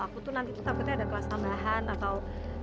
aku tuh nanti takutnya ada kelas tambahan atau